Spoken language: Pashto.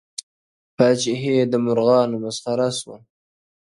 پاچهي یې د مرغانو مسخره سوه-